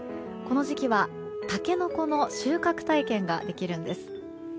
この時期はタケノコの収穫体験ができるんです。